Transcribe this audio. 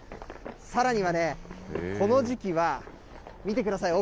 さらにはね、この時期は、見てください、奥。